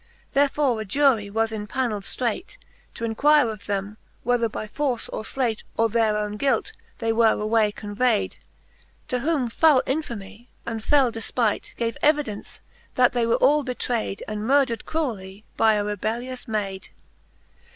Therefore a Jurie was impaneld ftreight, T' enquire of them, whether by force, or fleight^ Or their owne guilt, they were away convay'd. To whom foule Infamie^ and fell Defpight Gave evidence, that they were all betrayd, And murdred cruelly by a rebellious Mayd.